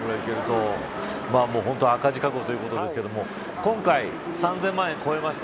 本当に赤字覚悟ということですが、今回３０００万円を超えました。